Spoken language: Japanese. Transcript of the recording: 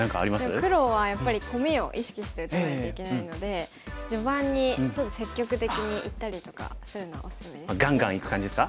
黒はやっぱりコミを意識して打たないといけないので序盤にちょっと積極的にいったりとかするのおすすめですね。